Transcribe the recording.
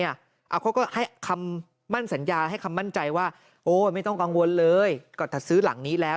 เขาก็ให้คำมั่นสัญญาให้คำมั่นใจว่าโอ้ไม่ต้องกังวลเลยก็จะซื้อหลังนี้แล้ว